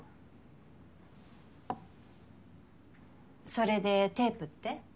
それでテープって？